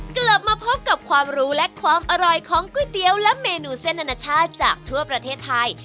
กลับมาพบกับความรู้และความอร่อยของก๋วยเตี๋ยวและเมนูเส้นอนาชาติจากทั่วประเทศไทย